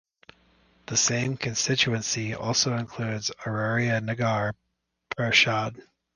The same constituency also includes Araria nagar parishad.